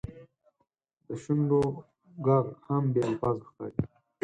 د شونډو ږغ هم بې الفاظو ښکاري.